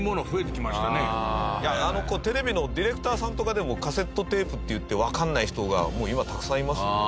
テレビのディレクターさんとかでもカセットテープって言ってわかんない人がもう今たくさんいますね。